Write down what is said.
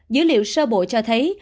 dữ liệu sơ bộ cho thấy